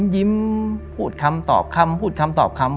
ยิ้มพูดคำตอบคำพูดคำตอบคำ